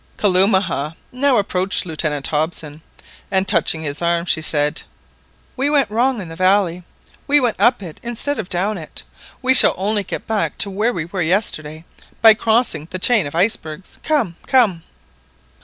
Kalumah now approached Lieutenant Hobson, and touching his arm, she said— "We went wrong in the valley, we went up it instead of down it, we shall only get back to where we were yesterday by crossing the chain of icebergs. Come, come!"